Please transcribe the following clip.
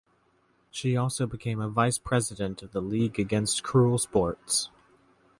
She also became a vice-president of the League Against Cruel Sports.